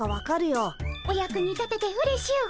お役に立ててうれしゅうございます。